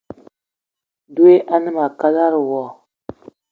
Dwé a ne ma a kalada wo.